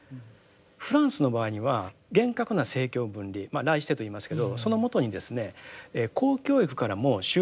フランスの場合には厳格な政教分離まあライシテと言いますけどその下にですね公教育からも宗教教育を徹底して排除していきます。